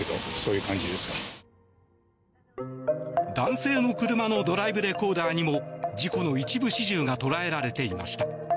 男性の車のドライブレコーダーにも事故の一部始終が捉えられていました。